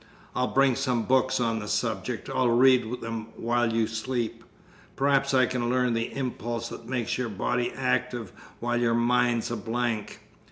I'll bring some books on the subject. I'll read them while you sleep. Perhaps I can learn the impulse that makes your body active while your mind's a blank."